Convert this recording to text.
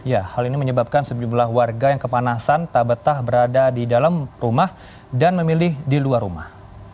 ya hal ini menyebabkan sejumlah warga yang kepanasan tak betah berada di dalam rumah dan memilih di luar rumah